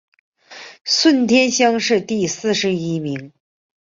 顺天乡试第四十一名。